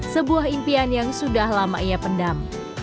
sebuah impian yang sudah lama ia pendam